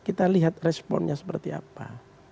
kita lihat responnya seperti apa